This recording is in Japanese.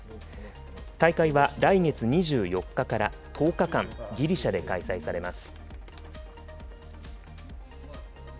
大会は来月２４日から１０日間、ギリシャで開催されます。